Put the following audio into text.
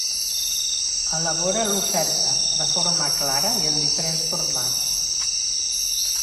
Elabora l'oferta de forma clara i en diferents formats.